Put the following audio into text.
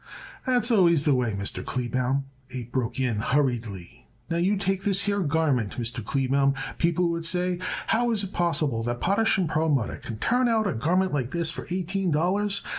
"That's always the way, Mr. Kleebaum," Abe broke in hurriedly. "Now, you take this here garment, Mr. Kleebaum, people would say, 'How is it possible that Potash & Perlmutter could turn out a garment like this for eighteen dollars?'